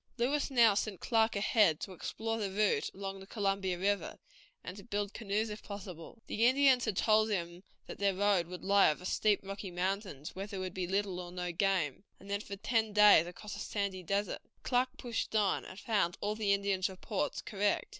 Lewis now sent Clark ahead to explore the route along the Columbia River, and to build canoes if possible. The Indians had told him that their road would lie over steep, rocky mountains, where there would be little or no game, and then for ten days across a sandy desert. Clark pushed on, and found all the Indians' reports correct.